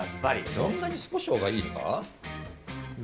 そんなに酢こしょうがいいのか？